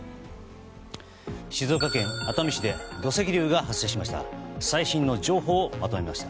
静岡県熱海市で土石流が発生しました。